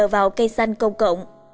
vào cây xanh công cộng